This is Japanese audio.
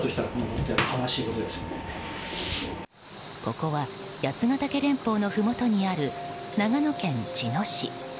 ここは八ケ岳連峰のふもとにある長野県茅野市。